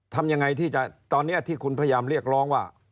ทำยังไงที่จะตอนนี้ที่คุณพยายามเรียกร้องว่า